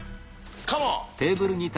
カモン！